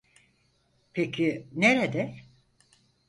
Peki, nerede?